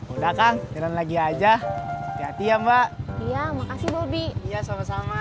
udah kang dengan lagi aja siap ya mbak iya makasih bobby iya sama sama